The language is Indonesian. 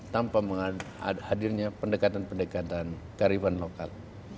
tanpa hadirnya pendekatan pendekatan kearifan lokal